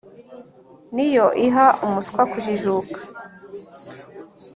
Ni yo iha umuswa kujijuka,